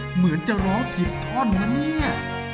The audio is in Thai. เหมือนจะร้องผิดท่อนนะเนี่ย